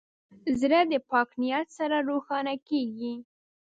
زړه د پاک نیت سره روښانه کېږي.